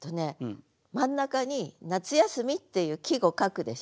真ん中に「夏休」っていう季語書くでしょ。